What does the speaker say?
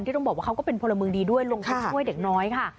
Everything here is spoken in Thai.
ต้องบอกว่าเขาก็เป็นพลเมืองดีด้วยลงไปช่วยเด็กน้อยค่ะ